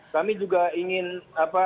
kami juga ingin sampai